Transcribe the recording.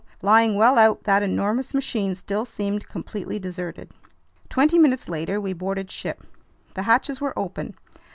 Lying well out, that enormous machine still seemed completely deserted. Twenty minutes later we boarded ship. The hatches were open.